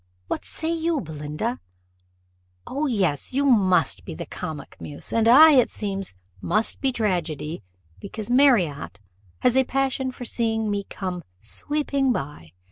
What say you, Belinda? O yes, you must be the comic muse; and I, it seems, must be tragedy, because Marriott has a passion for seeing me 'come sweeping by.